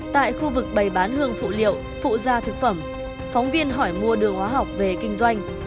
tại khu vực bày bán hương phụ liệu phụ gia thực phẩm phóng viên hỏi mua đưa hóa học về kinh doanh